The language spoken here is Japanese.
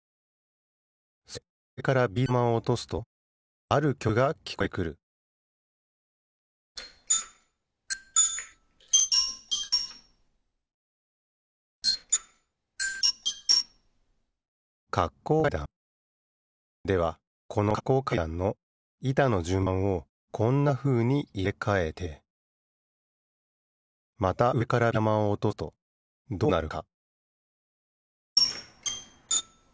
そしてうえからビーだまをおとすとあるきょくがきこえてくるではこのかっこう階段のいたのじゅんばんをこんなふうにいれかえてまたうえからビーだまをおとすとどうなるか？